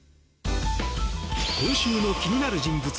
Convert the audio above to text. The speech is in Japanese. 今週の気になる人物